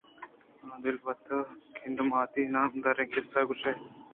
آ دلوت ءُ گُنگدامانی نامداریں قصّہ گوٛشے